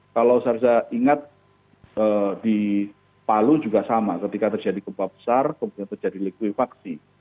kalau saya ingat di palu juga sama ketika terjadi gempa besar kemudian terjadi likuifaksi